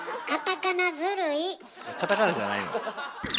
カタカナじゃないの？